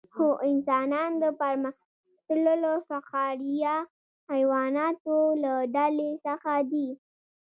هو انسانان د پرمختللو فقاریه حیواناتو له ډلې څخه دي